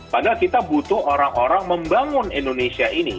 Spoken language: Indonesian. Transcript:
padahal kita butuh orang orang membangun indonesia ini